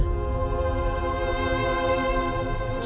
sakit banget ya